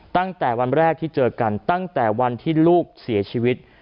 ตั้งแต่วันแรกที่เจอกันตั้งแต่วันที่ลูกเสียชีวิต